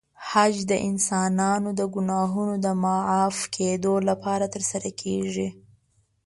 حج د انسانانو د ګناهونو د معاف کېدو لپاره ترسره کېږي.